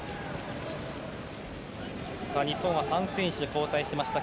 日本は３選手、交代しました。